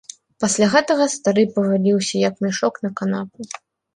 Пасля гэтага стары паваліўся, як мяшок, на канапу.